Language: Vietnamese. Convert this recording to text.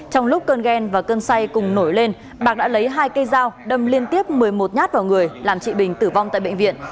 trong lúc cơn ghen và cơn say cùng nổi lên bạc đã lấy hai cây dao đâm liên tiếp một mươi một nhát vào người làm chị bình tử vong tại bệnh viện